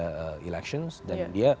pilihan pilihan dan dia